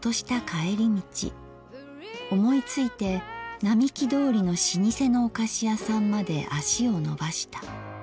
帰りみち思いついて並木通りの老舗のお菓子屋さんまで足をのばした。